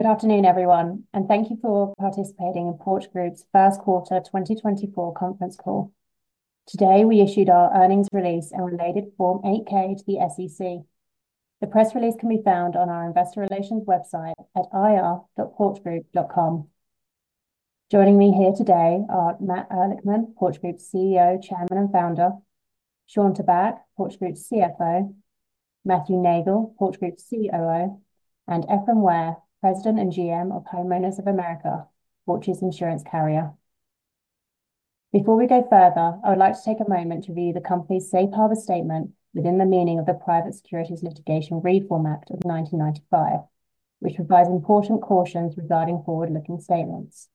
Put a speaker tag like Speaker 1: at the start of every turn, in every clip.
Speaker 1: Good afternoon, everyone, and thank you for participating in Porch Group's first quarter 2024 conference call. Today we issued our earnings release and related Form 8-K to the SEC. The press release can be found on our investor relations website at ir.porchgroup.com. Joining me here today are Matt Ehrlichman, Porch Group's CEO, Chairman, and Founder. Shawn Tabak, Porch Group's CFO. Matthew Neagle, Porch Group's COO. And Efram Ware, President and GM of Homeowners of America insurance carrier. Before we go further, I would like to take a moment to review the company's Safe Harbor Statement within the meaning of the Private Securities Litigation Reform Act of 1995, which provides important cautions regarding forward-looking statements.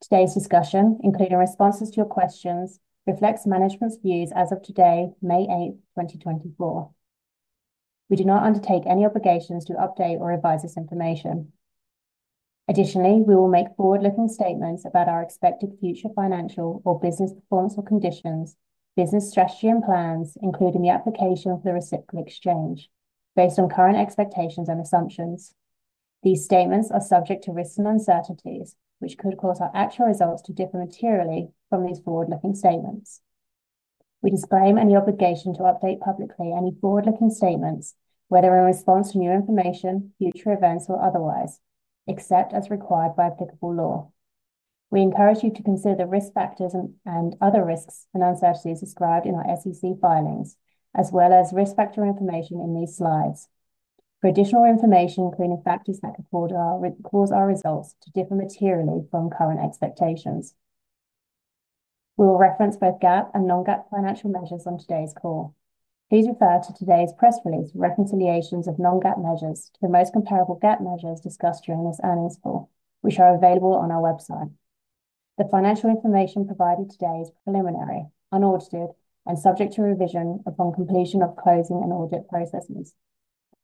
Speaker 1: Today's discussion, including responses to your questions, reflects management's views as of today, May 8th, 2024. We do not undertake any obligations to update or revise this information. Additionally, we will make forward-looking statements about our expected future financial or business performance or conditions, business strategy and plans, including the application for the reciprocal exchange, based on current expectations and assumptions. These statements are subject to risks and uncertainties, which could cause our actual results to differ materially from these forward-looking statements. We disclaim any obligation to update publicly any forward-looking statements, whether in response to new information, future events, or otherwise, except as required by applicable law. We encourage you to consider the risk factors and other risks and uncertainties described in our SEC filings, as well as risk factor information in these slides for additional information, including factors that could cause our results to differ materially from current expectations. We will reference both GAAP and non-GAAP financial measures on today's call. Please refer to today's press release "Reconciliations of Non-GAAP Measures to the Most Comparable GAAP Measures Discussed During This Earnings Call," which are available on our website. The financial information provided today is preliminary, unaudited, and subject to revision upon completion of closing and audit processes.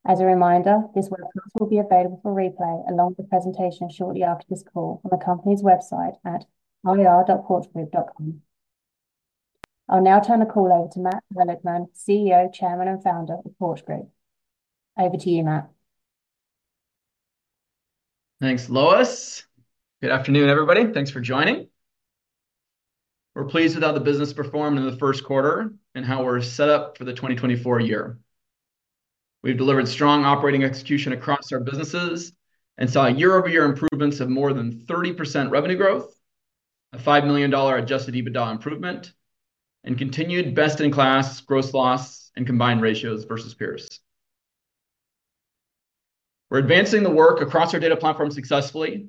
Speaker 1: As a reminder, this webcast will be available for replay along with the presentation shortly after this call on the company's website at ir.porchgroup.com. I'll now turn the call over to Matt Ehrlichman, CEO, Chairman, and Founder of Porch Group. Over to you, Matt.
Speaker 2: Thanks, Lois. Good afternoon, everybody. Thanks for joining. We're pleased with how the business performed in the first quarter and how we're set up for the 2024 year. We've delivered strong operating execution across our businesses and saw year-over-year improvements of more than 30% revenue growth, a $5 million Adjusted EBITDA improvement, and continued best-in-class gross loss and combined ratios versus peers. We're advancing the work across our data platform successfully.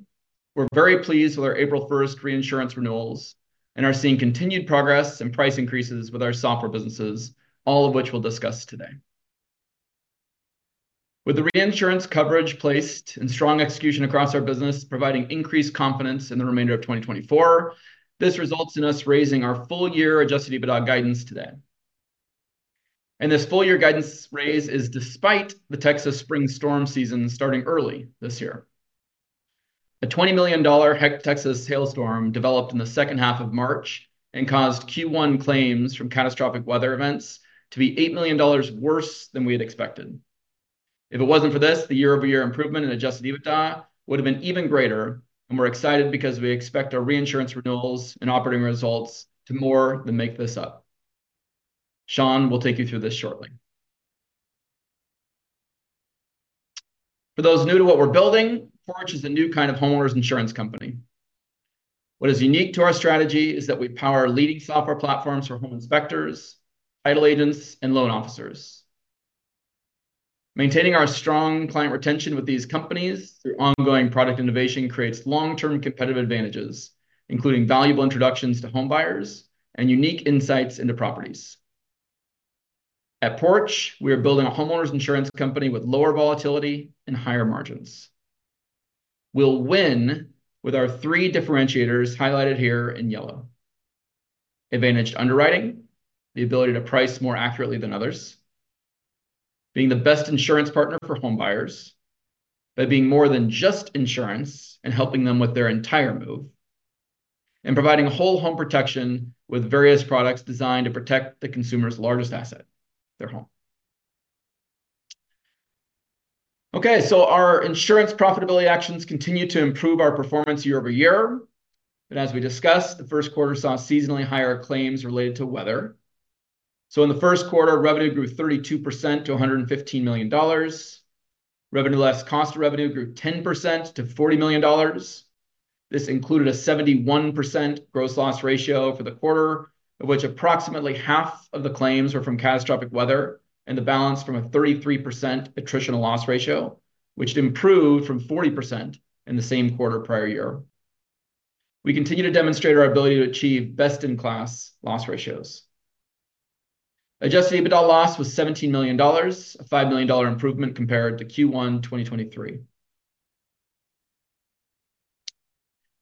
Speaker 2: We're very pleased with our April 1st reinsurance renewals and are seeing continued progress and price increases with our software businesses, all of which we'll discuss today. With the reinsurance coverage placed and strong execution across our business providing increased confidence in the remainder of 2024, this results in us raising our full-year Adjusted EBITDA guidance today. This full-year guidance raise is despite the Texas spring storm season starting early this year. A $20 million Texas hailstorm developed in the second half of March and caused Q1 claims from catastrophic weather events to be $8 million worse than we had expected. If it wasn't for this, the year-over-year improvement in Adjusted EBITDA would have been even greater, and we're excited because we expect our reinsurance renewals and operating results to more than make this up. Shawn, we'll take you through this shortly. For those new to what we're building, Porch is a new kind of homeowners insurance company. What is unique to our strategy is that we power leading software platforms for home inspectors, title agents, and loan officers. Maintaining our strong client retention with these companies through ongoing product innovation creates long-term competitive advantages, including valuable introductions to homebuyers and unique insights into properties. At Porch, we are building a homeowners insurance company with lower volatility and higher margins. We'll win with our three differentiators highlighted here in yellow: advantaged underwriting, the ability to price more accurately than others; being the best insurance partner for homebuyers by being more than just insurance and helping them with their entire move; and providing whole home protection with various products designed to protect the consumer's largest asset, their home. Okay, so our insurance profitability actions continue to improve our performance year-over-year. But as we discussed, the first quarter saw seasonally higher claims related to weather. So in the first quarter, revenue grew 32% to $115 million. Revenue less cost of revenue grew 10% to $40 million. This included a 71% gross loss ratio for the quarter, of which approximately half of the claims were from catastrophic weather, and the balance from a 33% attritional loss ratio, which improved from 40% in the same quarter prior year. We continue to demonstrate our ability to achieve best-in-class loss ratios. Adjusted EBITDA loss was $17 million, a $5 million improvement compared to Q1 2023.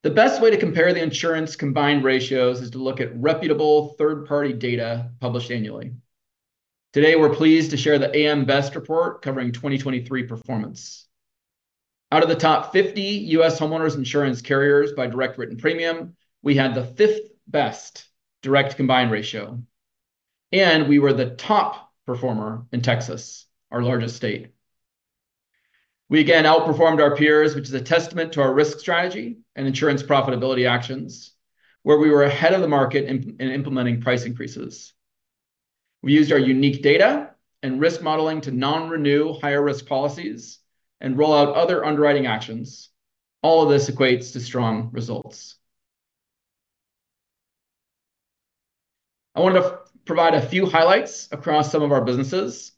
Speaker 2: The best way to compare the insurance combined ratios is to look at reputable third-party data published annually. Today, we're pleased to share the AM Best report covering 2023 performance. Out of the top 50 U.S. homeowners insurance carriers by direct written premium, we had the fifth best direct combined ratio. We were the top performer in Texas, our largest state. We again outperformed our peers, which is a testament to our risk strategy and insurance profitability actions, where we were ahead of the market in implementing price increases. We used our unique data and risk modeling to non-renew higher-risk policies and roll out other underwriting actions. All of this equates to strong results. I wanted to provide a few highlights across some of our businesses.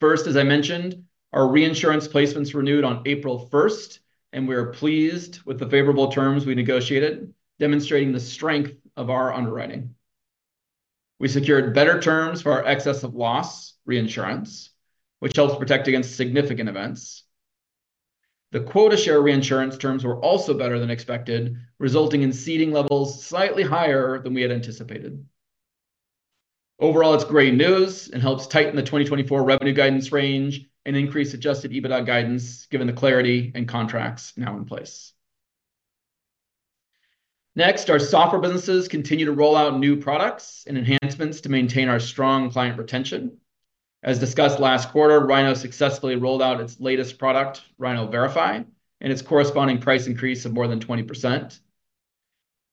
Speaker 2: First, as I mentioned, our reinsurance placements renewed on April 1st, and we are pleased with the favorable terms we negotiated, demonstrating the strength of our underwriting. We secured better terms for our excess of loss reinsurance, which helps protect against significant events. The quota share reinsurance terms were also better than expected, resulting in ceding levels slightly higher than we had anticipated. Overall, it's great news and helps tighten the 2024 revenue guidance range and increase Adjusted EBITDA guidance given the clarity and contracts now in place. Next, our software businesses continue to roll out new products and enhancements to maintain our strong client retention. As discussed last quarter, Rhino successfully rolled out its latest product, Rhino Verify, and its corresponding price increase of more than 20%.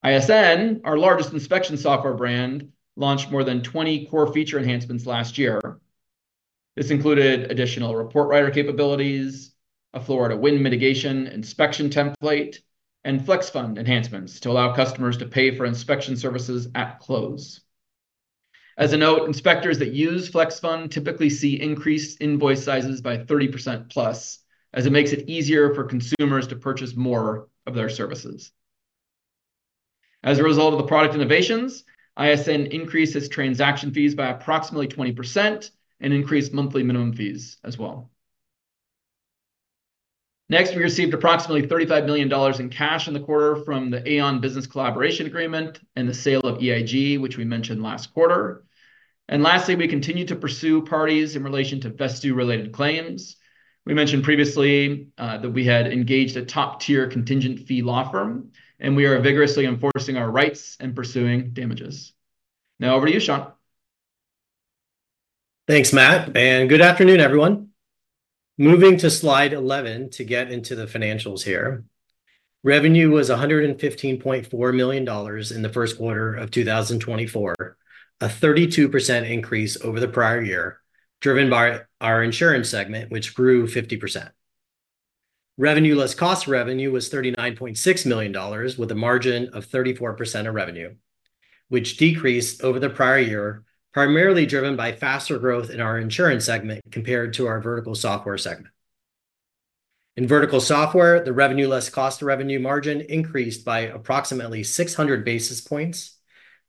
Speaker 2: ISN, our largest inspection software brand, launched more than 20 core feature enhancements last year. This included additional report writer capabilities, a Florida wind mitigation inspection template, and FlexFund enhancements to allow customers to pay for inspection services at close. As a note, inspectors that use FlexFund typically see increased invoice sizes by 30%+, as it makes it easier for consumers to purchase more of their services. As a result of the product innovations, ISN increased its transaction fees by approximately 20% and increased monthly minimum fees as well. Next, we received approximately $35 million in cash in the quarter from the Aon Business Collaboration Agreement and the sale of EIG, which we mentioned last quarter. Lastly, we continue to pursue parties in relation to Vesttoo-related claims. We mentioned previously that we had engaged a top-tier contingent fee law firm, and we are vigorously enforcing our rights and pursuing damages. Now over to you, Shawn.
Speaker 3: Thanks, Matt. Good afternoon, everyone. Moving to slide 11 to get into the financials here. Revenue was $115.4 million in the first quarter of 2024, a 32% increase over the prior year, driven by our insurance segment, which grew 50%. Revenue less cost of revenue was $39.6 million with a margin of 34% of revenue, which decreased over the prior year, primarily driven by faster growth in our insurance segment compared to our vertical software segment. In vertical software, the revenue less cost of revenue margin increased by approximately 600 basis points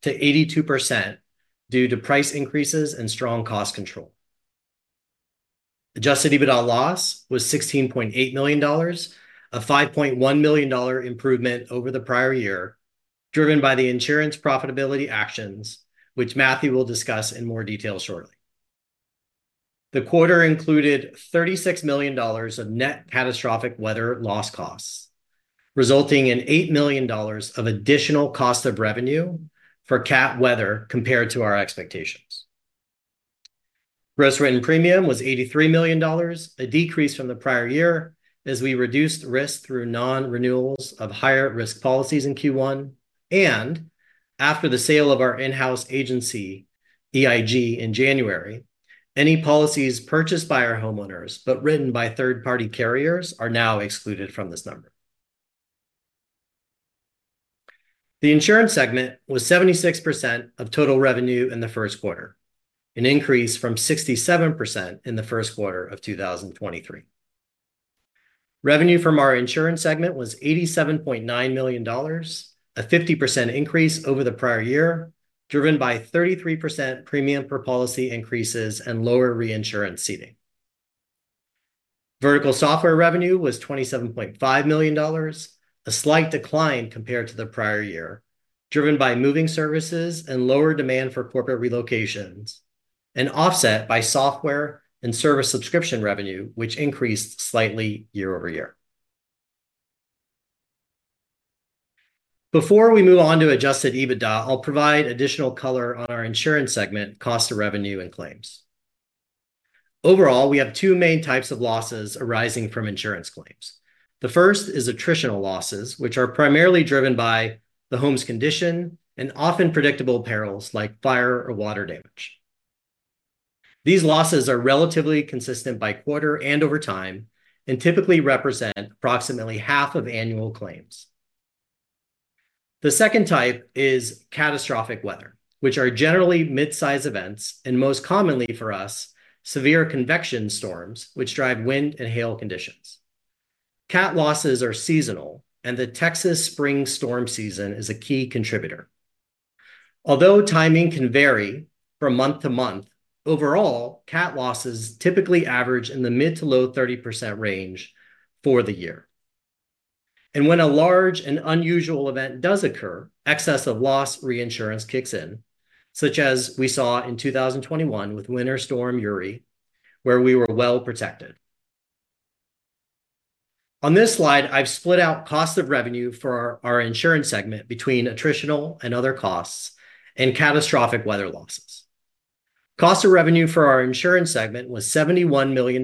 Speaker 3: to 82% due to price increases and strong cost control. Adjusted EBITDA loss was $16.8 million, a $5.1 million improvement over the prior year, driven by the insurance profitability actions, which Matthew will discuss in more detail shortly. The quarter included $36 million of net catastrophic weather loss costs, resulting in $8 million of additional cost of revenue for Cat weather compared to our expectations. Gross written premium was $83 million, a decrease from the prior year as we reduced risk through non-renewals of higher-risk policies in Q1. After the sale of our in-house agency, EIG, in January, any policies purchased by our homeowners but written by third-party carriers are now excluded from this number. The insurance segment was 76% of total revenue in the first quarter, an increase from 67% in the first quarter of 2023. Revenue from our insurance segment was $87.9 million, a 50% increase over the prior year, driven by 33% premium per policy increases and lower reinsurance ceding. Vertical software revenue was $27.5 million, a slight decline compared to the prior year, driven by moving services and lower demand for corporate relocations, offset by software and service subscription revenue, which increased slightly year-over-year. Before we move on to Adjusted EBITDA, I'll provide additional color on our insurance segment, cost of revenue, and claims. Overall, we have two main types of losses arising from insurance claims. The first is attritional losses, which are primarily driven by the home's condition and often predictable perils like fire or water damage. These losses are relatively consistent by quarter and over time and typically represent approximately half of annual claims. The second type is catastrophic weather, which are generally midsize events and most commonly for us, severe convection storms, which drive wind and hail conditions. Cat losses are seasonal, and the Texas spring storm season is a key contributor. Although timing can vary from month to month, overall, Cat losses typically average in the mid-to-low 30% range for the year. When a large and unusual event does occur, excess of loss reinsurance kicks in, such as we saw in 2021 with winter storm Uri, where we were well protected. On this slide, I've split out cost of revenue for our insurance segment between attritional and other costs and catastrophic weather losses. Cost of revenue for our insurance segment was $71 million,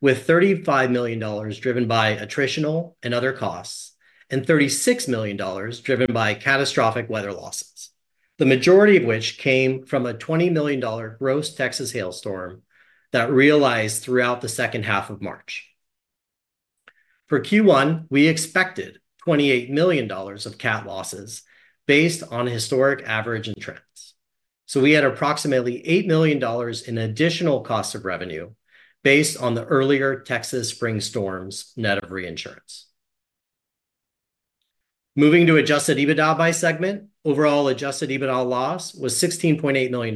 Speaker 3: with $35 million driven by attritional and other costs and $36 million driven by catastrophic weather losses, the majority of which came from a $20 million gross Texas hailstorm that realized throughout the second half of March. For Q1, we expected $28 million of Cat losses based on historic average and trends. So we had approximately $8 million in additional cost of revenue based on the earlier Texas spring storms net of reinsurance. Moving to adjusted EBITDA by segment, overall adjusted EBITDA loss was $16.8 million.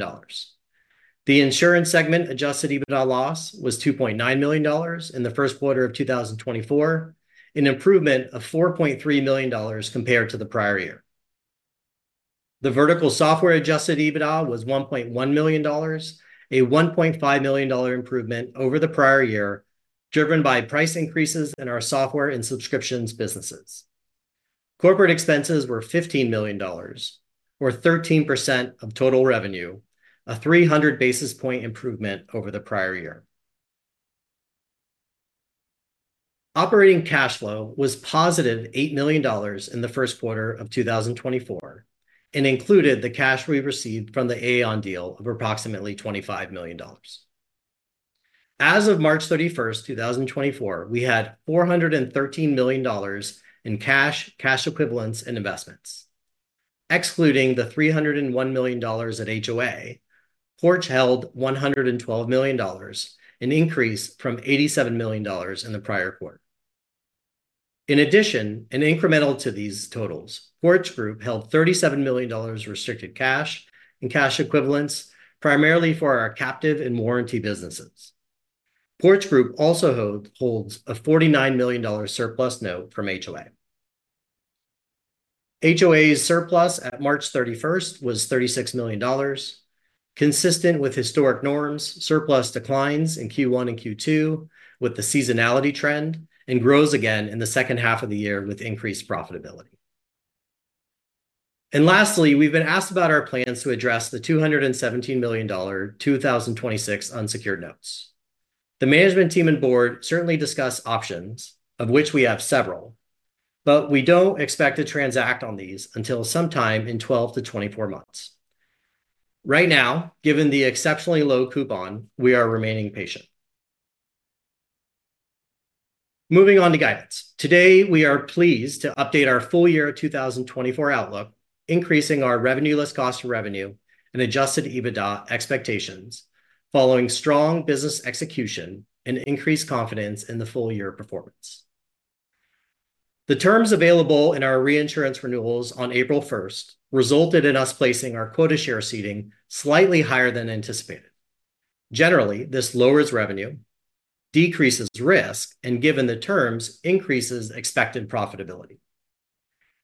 Speaker 3: The insurance segment adjusted EBITDA loss was $2.9 million in the first quarter of 2024, an improvement of $4.3 million compared to the prior year. The vertical software adjusted EBITDA was $1.1 million, a $1.5 million improvement over the prior year, driven by price increases in our software and subscriptions businesses. Corporate expenses were $15 million, or 13% of total revenue, a 300 basis point improvement over the prior year. Operating cash flow was positive $8 million in the first quarter of 2024 and included the cash we received from the Aon deal of approximately $25 million. As of March 31st, 2024, we had $413 million in cash, cash equivalents, and investments. Excluding the $301 million at HOA, Porch held $112 million, an increase from $87 million in the prior quarter. In addition, and incremental to these totals, Porch Group held $37 million restricted cash and cash equivalents, primarily for our captive and warranty businesses. Porch Group also holds a $49 million surplus note from HOA. HOA's surplus at March 31st was $36 million, consistent with historic norms, surplus declines in Q1 and Q2 with the seasonality trend, and grows again in the second half of the year with increased profitability. Lastly, we've been asked about our plans to address the $217 million 2026 unsecured notes. The management team and board certainly discuss options, of which we have several. But we don't expect to transact on these until sometime in 12 to 24 months. Right now, given the exceptionally low coupon, we are remaining patient. Moving on to guidance. Today, we are pleased to update our full year 2024 outlook, increasing our revenue less cost of revenue and adjusted EBITDA expectations, following strong business execution and increased confidence in the full year performance. The terms available in our reinsurance renewals on April 1st resulted in us placing our quota share ceding slightly higher than anticipated. Generally, this lowers revenue, decreases risk, and given the terms, increases expected profitability.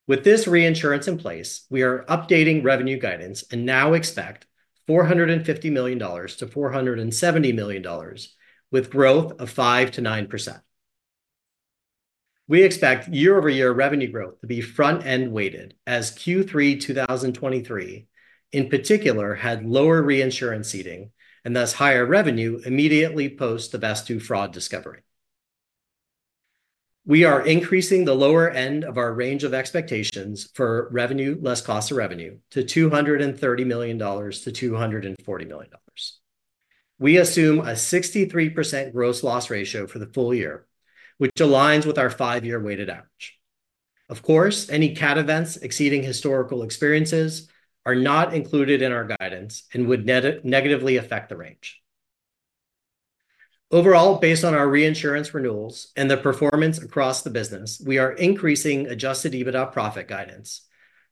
Speaker 3: With this reinsurance in place, we are updating revenue guidance and now expect $450 million-$470 million with growth of 5%-9%. We expect year-over-year revenue growth to be front-end weighted as Q3 2023, in particular, had lower reinsurance seeding and thus higher revenue immediately post the Vesttoo fraud discovery. We are increasing the lower end of our range of expectations for revenue-less cost of revenue to $230 million-$240 million. We assume a 63% gross loss ratio for the full year, which aligns with our five-year weighted average. Of course, any Cat events exceeding historical experiences are not included in our guidance and would negatively affect the range. Overall, based on our reinsurance renewals and the performance across the business, we are increasing Adjusted EBITDA profit guidance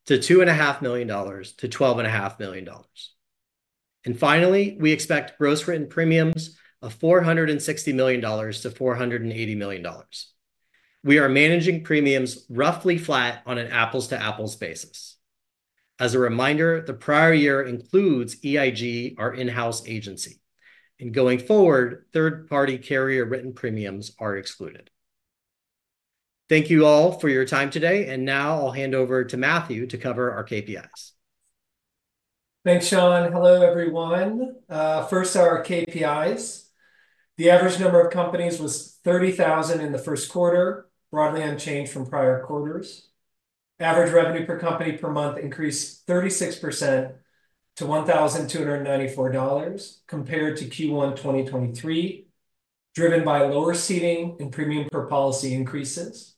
Speaker 3: to $2.5 million-$12.5 million. And finally, we expect gross written premiums of $460 million-$480 million. We are managing premiums roughly flat on an apples-to-apples basis. As a reminder, the prior year includes EIG, our in-house agency. Going forward, third-party carrier written premiums are excluded. Thank you all for your time today. Now I'll hand over to Matthew to cover our KPIs.
Speaker 4: Thanks, Shawn. Hello, everyone. First, our KPIs. The average number of companies was 30,000 in the first quarter, broadly unchanged from prior quarters. Average revenue per company per month increased 36% to $1,294 compared to Q1 2023, driven by lower seeding and premium per policy increases.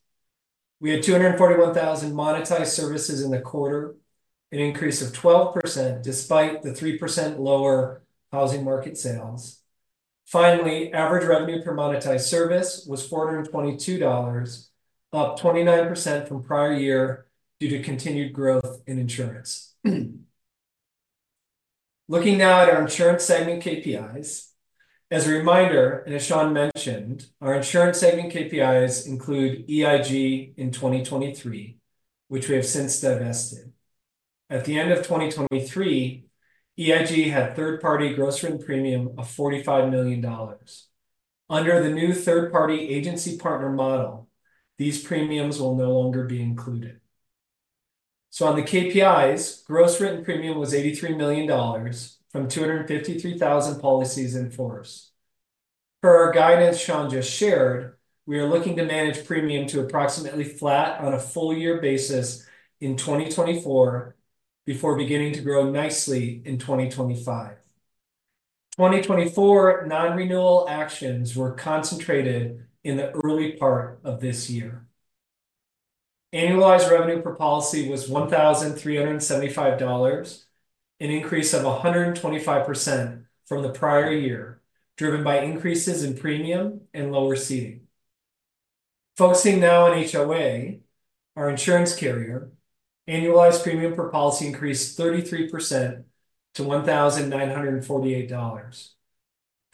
Speaker 4: We had 241,000 monetized services in the quarter, an increase of 12% despite the 3% lower housing market sales. Finally, average revenue per monetized service was $422, up 29% from prior year due to continued growth in insurance. Looking now at our insurance segment KPIs. As a reminder, and as Shawn mentioned, our insurance segment KPIs include EIG in 2023, which we have since divested. At the end of 2023, EIG had third-party gross written premium of $45 million. Under the new third-party agency partner model, these premiums will no longer be included. On the KPIs, gross written premium was $83 million from 253,000 policies in force. Per our guidance, Shawn just shared, we are looking to manage premium to approximately flat on a full year basis in 2024 before beginning to grow nicely in 2025. 2024 non-renewal actions were concentrated in the early part of this year. Annualized revenue per policy was $1,375, an increase of 125% from the prior year, driven by increases in premium and lower ceding. Focusing now on HOA, our insurance carrier, annualized premium per policy increased 33% to $1,948.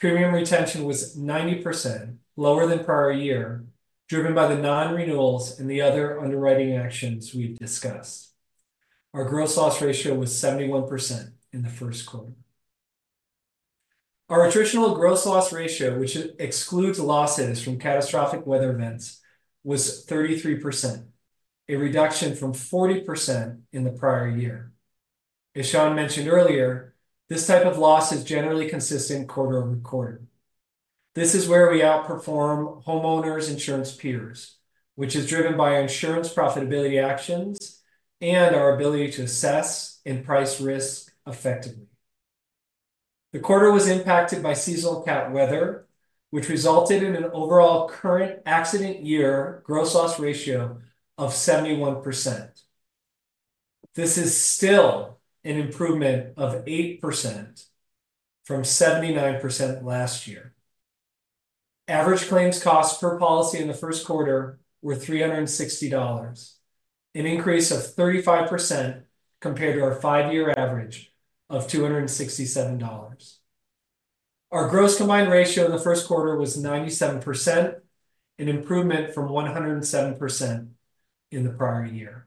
Speaker 4: Premium retention was 90%, lower than prior year, driven by the non-renewals and the other underwriting actions we've discussed. Our gross loss ratio was 71% in the first quarter. Our attritional gross loss ratio, which excludes losses from catastrophic weather events, was 33%, a reduction from 40% in the prior year. As Shawn mentioned earlier, this type of loss is generally consistent quarter over quarter. This is where we outperform homeowners' insurance peers, which is driven by our insurance profitability actions and our ability to assess and price risk effectively. The quarter was impacted by seasonal Cat weather, which resulted in an overall current accident year gross loss ratio of 71%. This is still an improvement of 8% from 79% last year. Average claims cost per policy in the first quarter were $360, an increase of 35% compared to our five-year average of $267. Our gross combined ratio in the first quarter was 97%, an improvement from 107% in the prior year.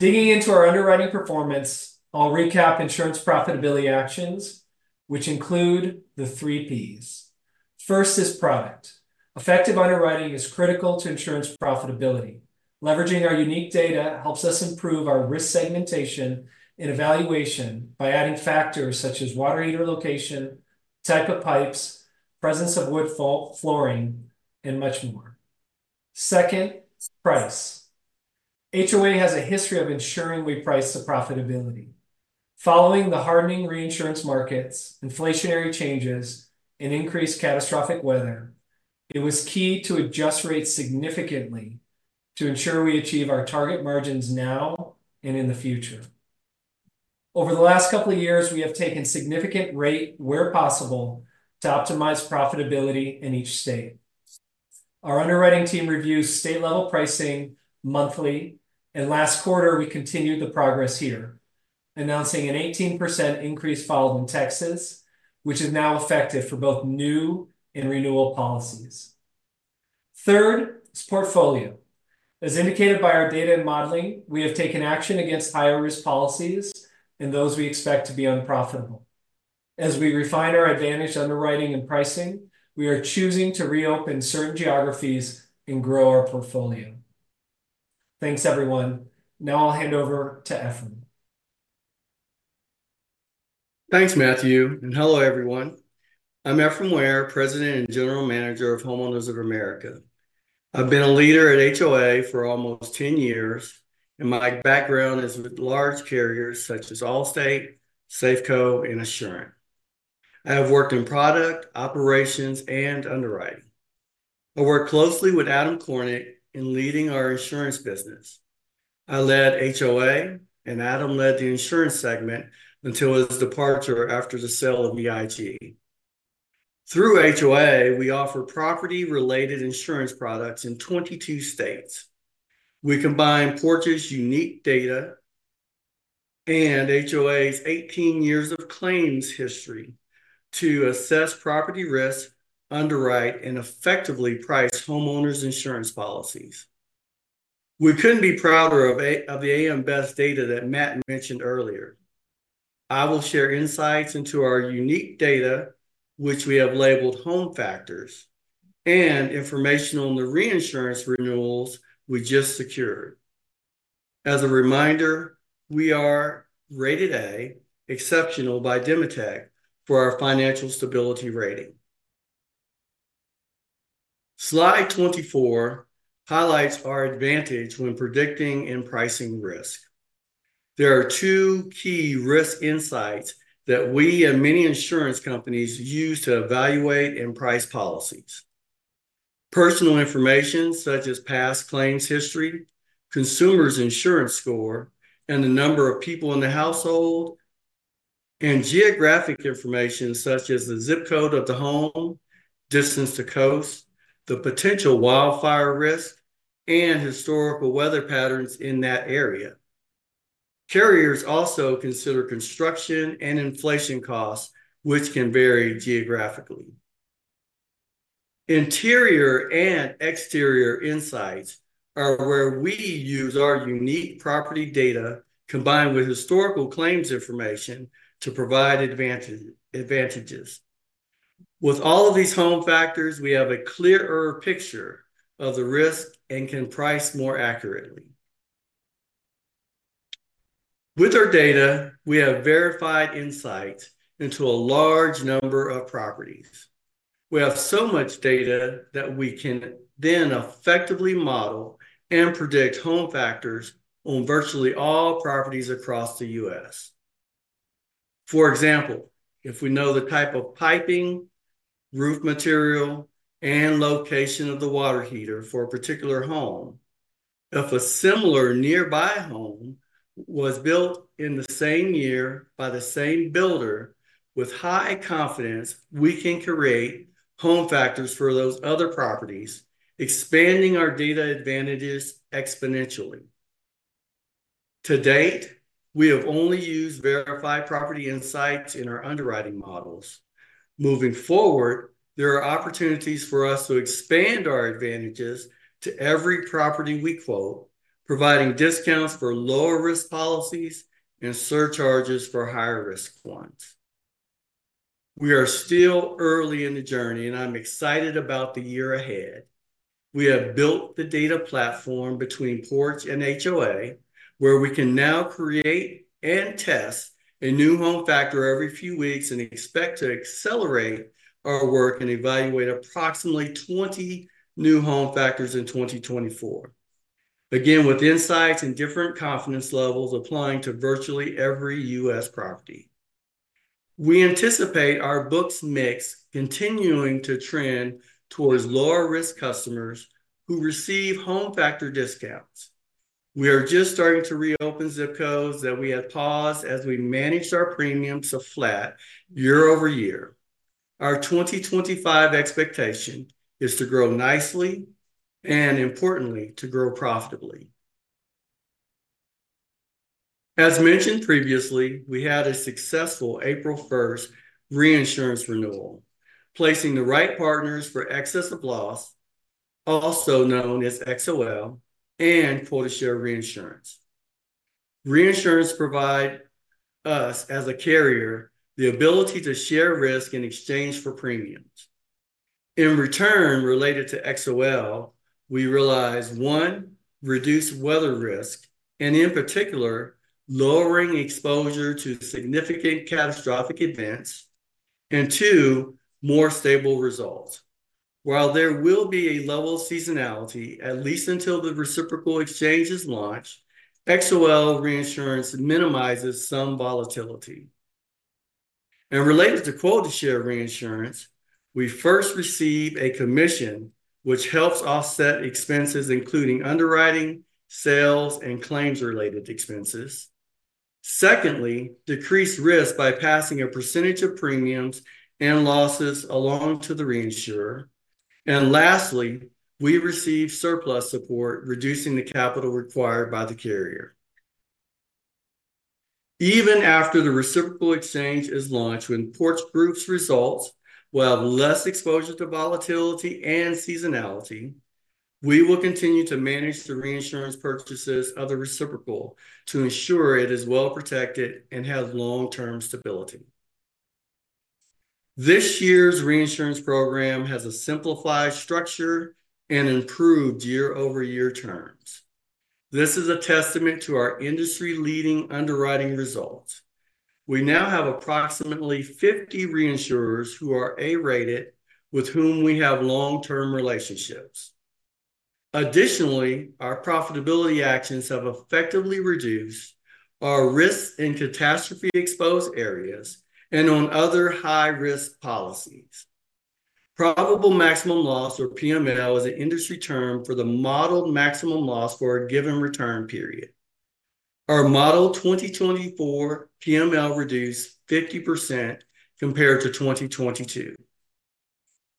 Speaker 4: Digging into our underwriting performance, I'll recap insurance profitability actions, which include the three Ps. First is product. Effective underwriting is critical to insurance profitability. Leveraging our unique data helps us improve our risk segmentation and evaluation by adding factors such as water heater location, type of pipes, presence of wood flooring, and much more. Second is price. HOA has a history of ensuring we price to profitability. Following the hardening reinsurance markets, inflationary changes, and increased catastrophic weather, it was key to adjust rates significantly to ensure we achieve our target margins now and in the future. Over the last couple of years, we have taken significant rate where possible to optimize profitability in each state. Our underwriting team reviews state-level pricing monthly, and last quarter, we continued the progress here, announcing an 18% increase followed in Texas, which is now effective for both new and renewal policies. Third is portfolio. As indicated by our data and modeling, we have taken action against higher-risk policies and those we expect to be unprofitable. As we refine our advantaged underwriting and pricing, we are choosing to reopen certain geographies and grow our portfolio. Thanks, everyone. Now I'll hand over to Efram.
Speaker 5: Thanks, Matthew. Hello, everyone. I'm Efram Ware, President and General Manager of Homeowners of America. I've been a leader at HOA for almost 10 years, and my background is with large carriers such as Allstate, Safeco, and Assurant. I have worked in product, operations, and underwriting. I worked closely with Adam Kornick in leading our insurance business. I led HOA, and Adam led the insurance segment until his departure after the sale of EIG. Through HOA, we offer property-related insurance products in 22 states. We combine Porch's unique data and HOA's 18 years of claims history to assess property risk, underwrite, and effectively price homeowners' insurance policies. We couldn't be prouder of the AM Best data that Matt mentioned earlier. I will share insights into our unique data, which we have labeled Home Factors, and information on the reinsurance renewals we just secured. As a reminder, we are rated A, exceptional by Demotech for our financial stability rating. Slide 24 highlights our advantage when predicting and pricing risk. There are two key risk insights that we and many insurance companies use to evaluate and price policies: personal information such as past claims history, consumer's insurance score, and the number of people in the household, and geographic information such as the ZIP code of the home, distance to coast, the potential wildfire risk, and historical weather patterns in that area. Carriers also consider construction and inflation costs, which can vary geographically. Interior and exterior insights are where we use our unique property data combined with historical claims information to provide advantages. With all of these Home Factors, we have a clearer picture of the risk and can price more accurately. With our data, we have verified insights into a large number of properties. We have so much data that we can then effectively model and predict Home Factors on virtually all properties across the U.S. For example, if we know the type of piping, roof material, and location of the water heater for a particular home, if a similar nearby home was built in the same year by the same builder with high confidence, we can create Home Factors for those other properties, expanding our data advantages exponentially. To date, we have only used verified property insights in our underwriting models. Moving forward, there are opportunities for us to expand our advantages to every property we quote, providing discounts for lower-risk policies and surcharges for higher-risk ones. We are still early in the journey, and I'm excited about the year ahead. We have built the data platform between Porch and HOA, where we can now create and test a new Home Factor every few weeks and expect to accelerate our work and evaluate approximately 20 new Home Factors in 2024, again with insights and different confidence levels applying to virtually every U.S. property. We anticipate our books mix continuing to trend towards lower-risk customers who receive Home Factor discounts. We are just starting to reopen ZIP codes that we had paused as we managed our premiums so flat year over year. Our 2025 expectation is to grow nicely and, importantly, to grow profitably. As mentioned previously, we had a successful April 1st reinsurance renewal, placing the right partners for excess of loss, also known as XOL, and quota share reinsurance. Reinsurance provides us, as a carrier, the ability to share risk in exchange for premiums. In return, related to XOL, we realize, 1, reduced weather risk and, in particular, lowering exposure to significant catastrophic events, and 2, more stable results. While there will be a level of seasonality, at least until the reciprocal exchange is launched, XOL reinsurance minimizes some volatility. And related to quota share reinsurance, we first receive a commission, which helps offset expenses including underwriting, sales, and claims-related expenses. Secondly, decreased risk by passing a percentage of premiums and losses along to the reinsurer. And lastly, we receive surplus support, reducing the capital required by the carrier. Even after the reciprocal exchange is launched, when Porch Group's results will have less exposure to volatility and seasonality, we will continue to manage the reinsurance purchases of the reciprocal to ensure it is well protected and has long-term stability. This year's reinsurance program has a simplified structure and improved year-over-year terms. This is a testament to our industry-leading underwriting results. We now have approximately 50 reinsurers who are A-rated, with whom we have long-term relationships. Additionally, our profitability actions have effectively reduced our risk and catastrophe-exposed areas and on other high-risk policies. Probable maximum loss, or PML, is an industry term for the modeled maximum loss for a given return period. Our modeled 2024 PML reduced 50% compared to 2022.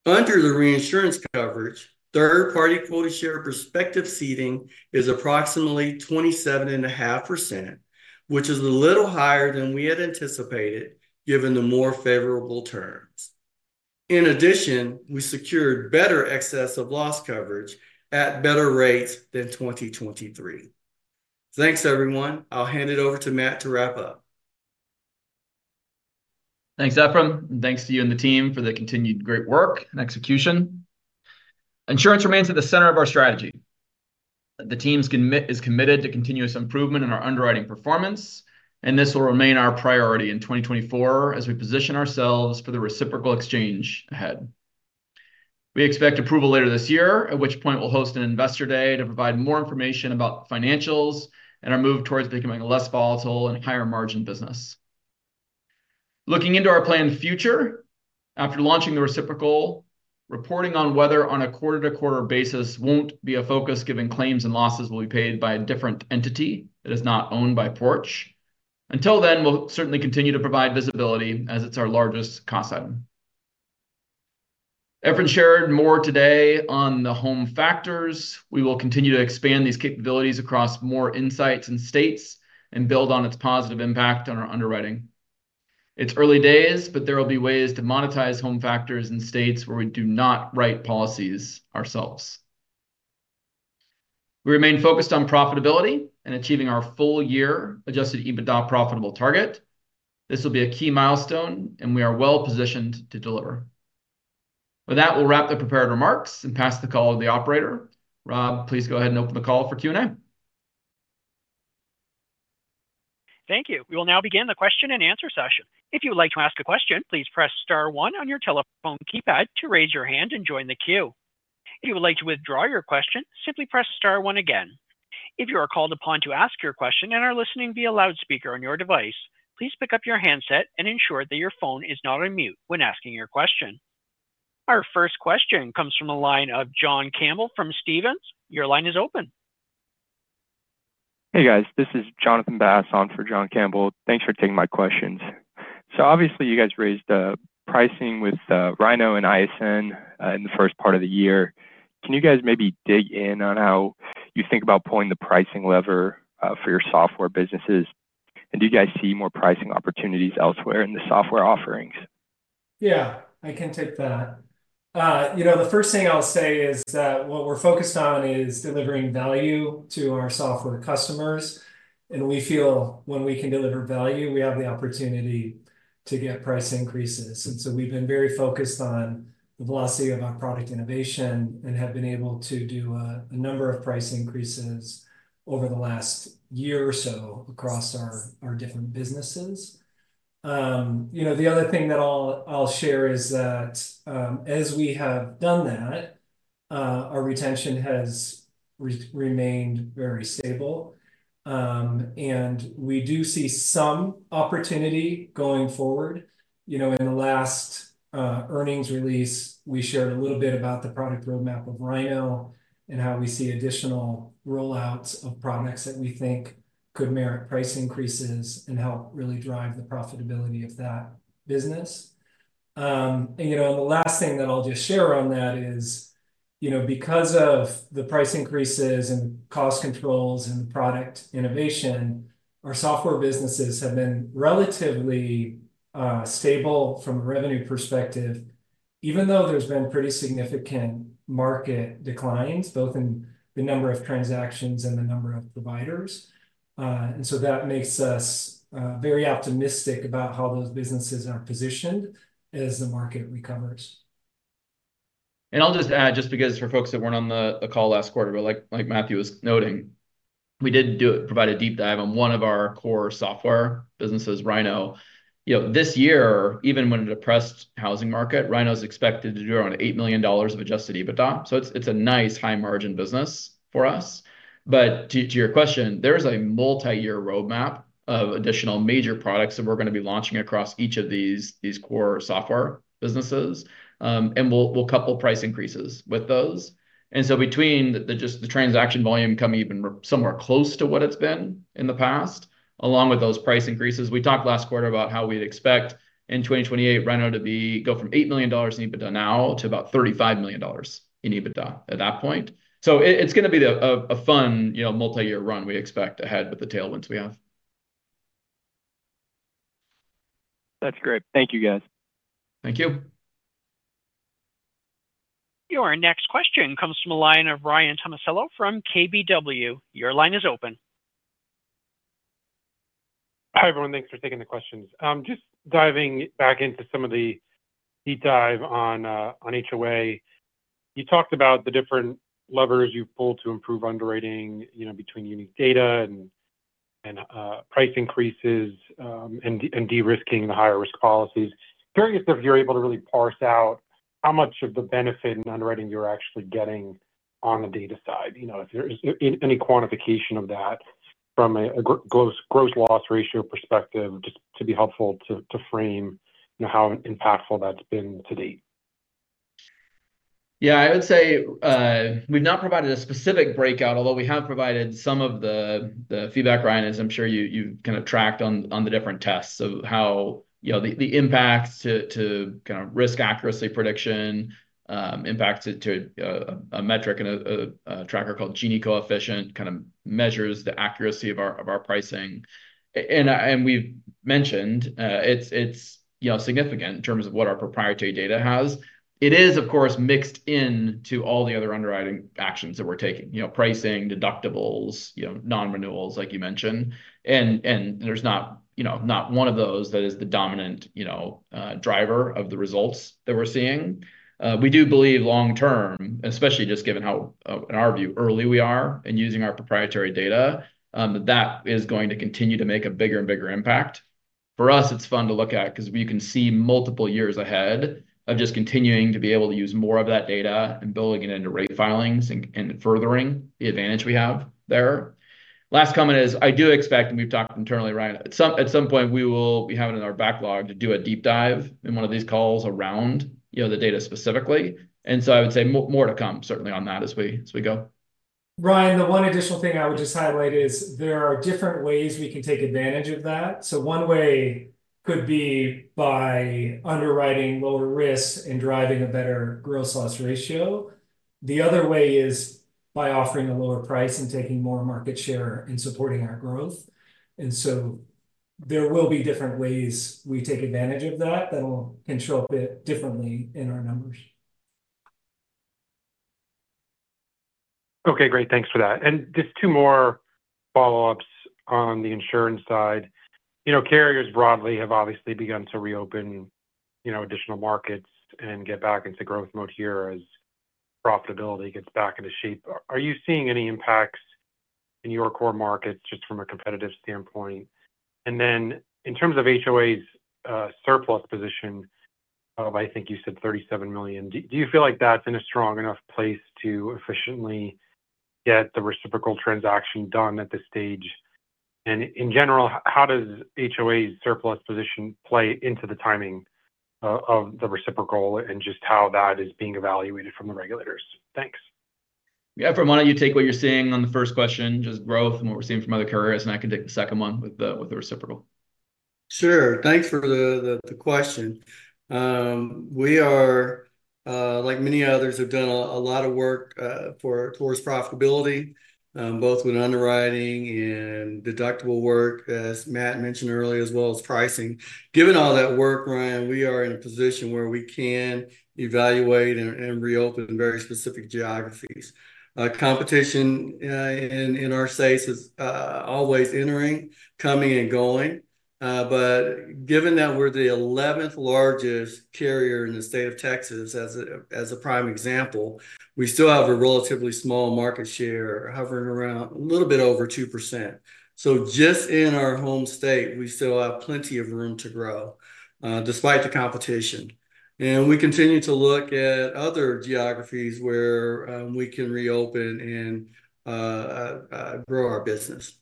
Speaker 5: Under the reinsurance coverage, third-party quota-share prospective ceding is approximately 27.5%, which is a little higher than we had anticipated given the more favorable terms. In addition, we secured better excess loss coverage at better rates than 2023. Thanks, everyone. I'll hand it over to Matt to wrap up.
Speaker 2: Thanks, Efram. And thanks to you and the team for the continued great work and execution. Insurance remains at the center of our strategy. The team is committed to continuous improvement in our underwriting performance, and this will remain our priority in 2024 as we position ourselves for the reciprocal exchange ahead. We expect approval later this year, at which point we'll host an investor day to provide more information about financials and our move towards becoming a less volatile and higher-margin business. Looking into our planned future, after launching the reciprocal, reporting on weather on a quarter-to-quarter basis won't be a focus given claims and losses will be paid by a different entity that is not owned by Porch. Until then, we'll certainly continue to provide visibility as it's our largest cost item. Efram shared more today on the Home Factors. We will continue to expand these capabilities across more insights and states and build on its positive impact on our underwriting. It's early days, but there will be ways to monetize Home Factors in states where we do not write policies ourselves. We remain focused on profitability and achieving our full-year Adjusted EBITDA profitable target. This will be a key milestone, and we are well positioned to deliver. With that, we'll wrap the prepared remarks and pass the call to the operator. Rob, please go ahead and open the call for Q&A.
Speaker 6: Thank you. We will now begin the question-and-answer session. If you would like to ask a question, please press star one on your telephone keypad to raise your hand and join the queue. If you would like to withdraw your question, simply press star 1 again. If you are called upon to ask your question and are listening via loudspeaker on your device, please pick up your handset and ensure that your phone is not on mute when asking your question. Our first question comes from the line of John Campbell from Stephens. Your line is open.
Speaker 7: Hey, guys. This is Jonathan Bass on for John Campbell. Thanks for taking my questions. Obviously, you guys raised pricing with Rhino and ISN in the first part of the year. Can you guys maybe dig in on how you think about pulling the pricing lever for your software businesses? Do you guys see more pricing opportunities elsewhere in the software offerings?
Speaker 5: Yeah, I can take that. The first thing I'll say is that what we're focused on is delivering value to our software customers. We feel when we can deliver value, we have the opportunity to get price increases. So we've been very focused on the velocity of our product innovation and have been able to do a number of price increases over the last year or so across our different businesses. The other thing that I'll share is that as we have done that, our retention has remained very stable. We do see some opportunity going forward. In the last earnings release, we shared a little bit about the product roadmap of Rhino and how we see additional rollouts of products that we think could merit price increases and help really drive the profitability of that business. The last thing that I'll just share on that is because of the price increases and the cost controls and the product innovation, our software businesses have been relatively stable from a revenue perspective, even though there's been pretty significant market declines, both in the number of transactions and the number of providers. And so that makes us very optimistic about how those businesses are positioned as the market recovers.
Speaker 3: I'll just add, just because for folks that weren't on the call last quarter, but like Matthew was noting, we did provide a deep dive on one of our core software businesses, Rhino. This year, even when a depressed housing market, Rhino is expected to draw on $8 million of Adjusted EBITDA. It's a nice high-margin business for us. To your question, there is a multi-year roadmap of additional major products that we're going to be launching across each of these core software businesses, and we'll couple price increases with those. Between just the transaction volume coming even somewhere close to what it's been in the past, along with those price increases, we talked last quarter about how we'd expect in 2028, Rhino to go from $8 million in EBITDA now to about $35 million in EBITDA at that point. It's going to be a fun multi-year run we expect ahead with the tailwinds we have.
Speaker 7: That's great. Thank you, guys.
Speaker 3: Thank you.
Speaker 6: Your next question comes from a line of Ryan Tomasello from KBW. Your line is open.
Speaker 8: Hi, everyone. Thanks for taking the questions. Just diving back into some of the deep dive on HOA. You talked about the different levers you pull to improve underwriting between unique data and price increases and de-risking the higher-risk policies. Curious if you're able to really parse out how much of the benefit in underwriting you're actually getting on the data side, if there's any quantification of that from a gross loss ratio perspective, just to be helpful to frame how impactful that's been to date?
Speaker 3: Yeah, I would say we've not provided a specific breakout, although we have provided some of the feedback, Ryan, as I'm sure you've kind of tracked on the different tests of how the impact to kind of risk accuracy prediction, impact to a metric and a tracker called Gini coefficient kind of measures the accuracy of our pricing. We've mentioned it's significant in terms of what our proprietary data has. It is, of course, mixed into all the other underwriting actions that we're taking: pricing, deductibles, non-renewals, like you mentioned. There's not one of those that is the dominant driver of the results that we're seeing. We do believe long-term, especially just given how, in our view, early we are in using our proprietary data, that that is going to continue to make a bigger and bigger impact. For us, it's fun to look at because you can see multiple years ahead of just continuing to be able to use more of that data and building it into rate filings and furthering the advantage we have there. Last comment is, I do expect, and we've talked internally, Ryan, at some point we will have it in our backlog to do a deep dive in one of these calls around the data specifically. So I would say more to come, certainly, on that as we go.
Speaker 5: Ryan, the one additional thing I would just highlight is there are different ways we can take advantage of that. So one way could be by underwriting lower risk and driving a better gross loss ratio. The other way is by offering a lower price and taking more market share and supporting our growth. And so there will be different ways we take advantage of that that will control a bit differently in our numbers.
Speaker 8: Okay, great. Thanks for that. And just two more follow-ups on the insurance side. Carriers broadly have obviously begun to reopen additional markets and get back into growth mode here as profitability gets back into shape. Are you seeing any impacts in your core markets just from a competitive standpoint? And then in terms of HOA's surplus position of, I think you said, $37 million, do you feel like that's in a strong enough place to efficiently get the reciprocal transaction done at this stage? And in general, how does HOA's surplus position play into the timing of the reciprocal and just how that is being evaluated from the regulators? Thanks.
Speaker 3: Yeah, Efram, why don't you take what you're seeing on the first question, just growth and what we're seeing from other carriers? And I can take the second one with the reciprocal.
Speaker 5: Sure. Thanks for the question. Like many others, we've done a lot of work towards profitability, both with underwriting and deductible work, as Matt mentioned earlier, as well as pricing. Given all that work, Ryan, we are in a position where we can evaluate and reopen very specific geographies. Competition in our states is always entering, coming, and going. But given that we're the 11th largest carrier in the state of Texas as a prime example, we still have a relatively small market share hovering around a little bit over 2%. So just in our home state, we still have plenty of room to grow despite the competition. And we continue to look at other geographies where we can reopen and grow our business.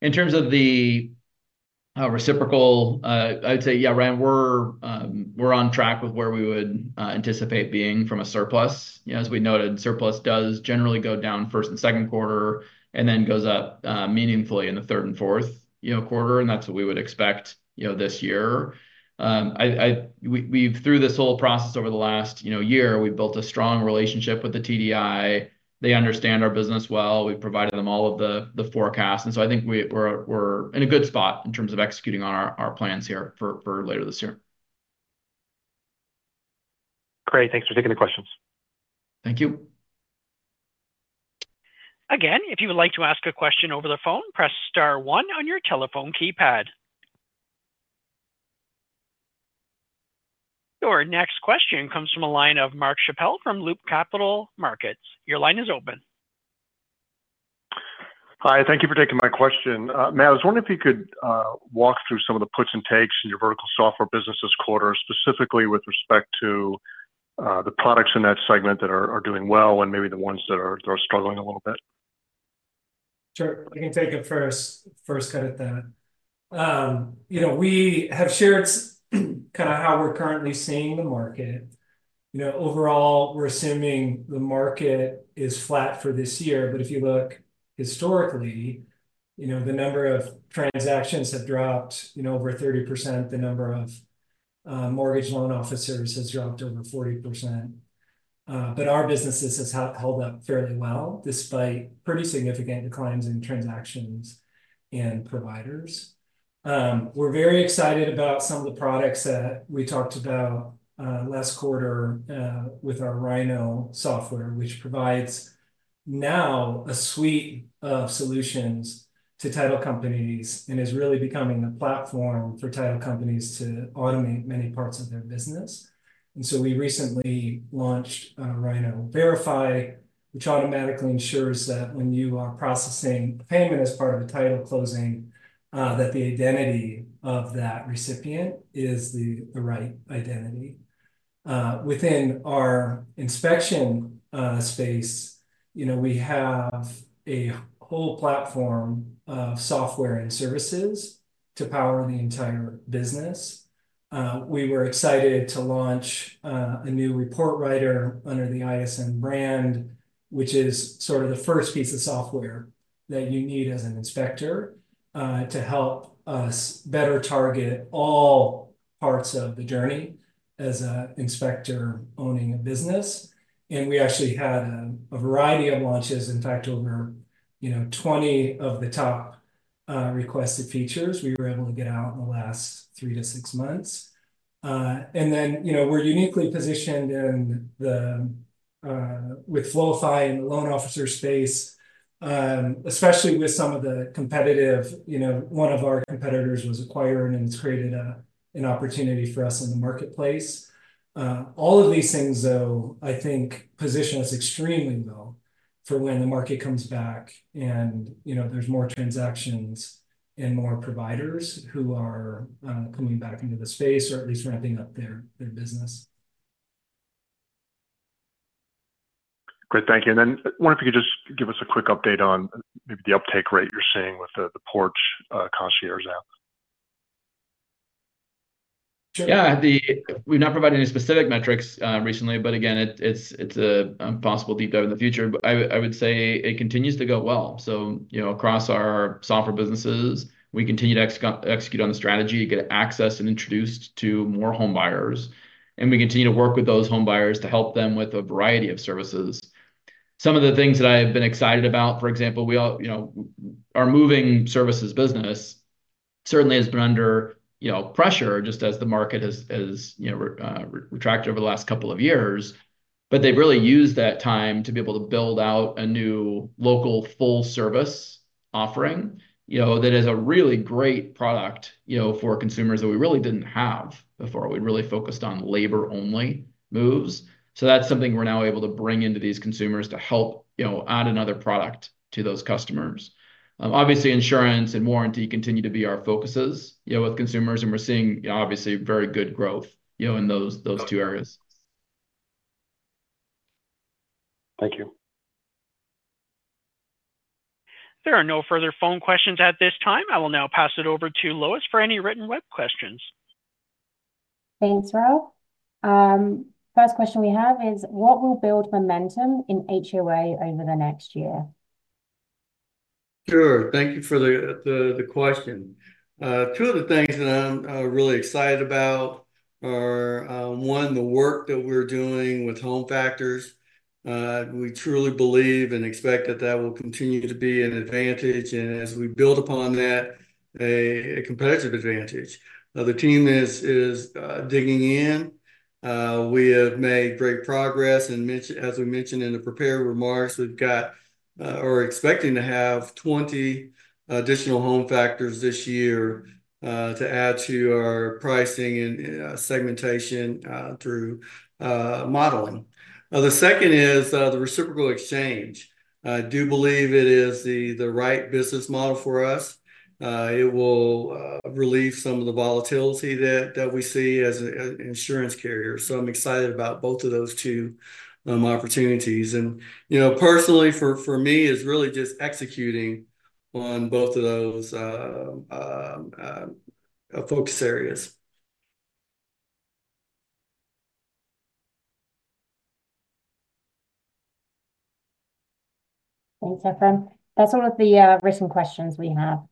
Speaker 3: In terms of the reciprocal, I would say, yeah, Ryan, we're on track with where we would anticipate being from a surplus. As we noted, surplus does generally go down first and second quarter and then goes up meaningfully in the third and fourth quarter. And that's what we would expect this year. Through this whole process over the last year, we've built a strong relationship with the TDI. They understand our business well. We've provided them all of the forecasts. And so I think we're in a good spot in terms of executing on our plans here for later this year.
Speaker 8: Great. Thanks for taking the questions.
Speaker 3: Thank you.
Speaker 6: Again, if you would like to ask a question over the phone, press star 1 on your telephone keypad. Your next question comes from a line of Mark Chappell from Loop Capital Markets. Your line is open.
Speaker 9: Hi. Thank you for taking my question. Matt, I was wondering if you could walk through some of the puts and takes in your vertical software businesses quarter, specifically with respect to the products in that segment that are doing well and maybe the ones that are struggling a little bit.
Speaker 2: Sure. I can take a first cut at that. We have shared kind of how we're currently seeing the market. Overall, we're assuming the market is flat for this year. But if you look historically, the number of transactions have dropped over 30%. The number of mortgage loan officers has dropped over 40%. But our businesses have held up fairly well despite pretty significant declines in transactions and providers. We're very excited about some of the products that we talked about last quarter with our Rhino software, which provides now a suite of solutions to title companies and is really becoming a platform for title companies to automate many parts of their business. And so we recently launched Rhino Verify, which automatically ensures that when you are processing a payment as part of a title closing, that the identity of that recipient is the right identity. Within our inspection space, we have a whole platform of software and services to power the entire business. We were excited to launch a new report writer under the ISN brand, which is sort of the first piece of software that you need as an inspector to help us better target all parts of the journey as an inspector owning a business. And we actually had a variety of launches. In fact, over 20 of the top requested features, we were able to get out in the last three to six months. And then we're uniquely positioned with Floify in the loan officer space, especially with some of the competitive one of our competitors was acquired, and it's created an opportunity for us in the marketplace. All of these things, though, I think position us extremely, though, for when the market comes back and there's more transactions and more providers who are coming back into the space or at least ramping up their business.
Speaker 9: Great. Thank you. And then I wonder if you could just give us a quick update on maybe the uptake rate you're seeing with the Porch Concierge app?
Speaker 3: Sure. Yeah. We've not provided any specific metrics recently. But again, it's a possible deep dive in the future. But I would say it continues to go well. So across our software businesses, we continue to execute on the strategy, get access, and introduce to more homebuyers. And we continue to work with those homebuyers to help them with a variety of services. Some of the things that I have been excited about, for example, our moving services business certainly has been under pressure just as the market has retracted over the last couple of years. But they've really used that time to be able to build out a new local full-service offering that is a really great product for consumers that we really didn't have before. We really focused on labor-only moves. That's something we're now able to bring into these consumers to help add another product to those customers. Obviously, insurance and warranty continue to be our focuses with consumers. We're seeing, obviously, very good growth in those two areas.
Speaker 8: Thank you.
Speaker 6: There are no further phone questions at this time. I will now pass it over to Lois for any written web questions.
Speaker 1: Thanks, Rob. First question we have is, what will build momentum in HOA over the next year?
Speaker 5: Sure. Thank you for the question. Two of the things that I'm really excited about are, one, the work that we're doing with Home Factors. We truly believe and expect that that will continue to be an advantage and, as we build upon that, a competitive advantage. The team is digging in. We have made great progress. And as we mentioned in the prepared remarks, we've got or are expecting to have 20 additional Home Factors this year to add to our pricing and segmentation through modeling. The second is the reciprocal exchange. I do believe it is the right business model for us. It will relieve some of the volatility that we see as an insurance carrier. So I'm excited about both of those two opportunities. And personally, for me, it's really just executing on both of those focus areas.
Speaker 1: Thanks, Efram. That's one of the written questions we have.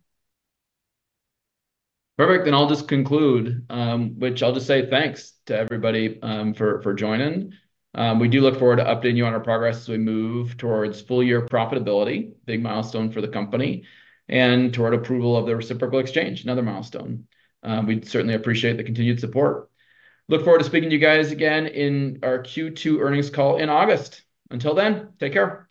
Speaker 2: Perfect. Then I'll just conclude, which I'll just say thanks to everybody for joining. We do look forward to updating you on our progress as we move towards full-year profitability, a big milestone for the company, and toward approval of the reciprocal exchange, another milestone. We'd certainly appreciate the continued support. Look forward to speaking to you guys again in our Q2 earnings call in August. Until then, take care.